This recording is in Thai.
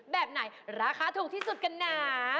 แบบไหนราคาถูกที่สุดกันนะ